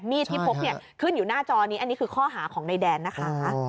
ที่พบเนี่ยขึ้นอยู่หน้าจอนี้อันนี้คือข้อหาของนายแดนนะคะ